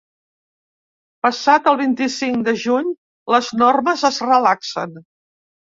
Passat el vint-i-cinc de juny, les normes es relaxen.